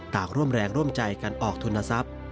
ร่วมแรงร่วมใจกันออกทุนทรัพย์